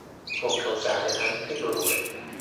Può causare anche dolore.